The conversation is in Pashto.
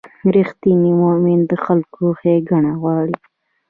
رښتینی مؤمن د خلکو ښېګڼه غواړي.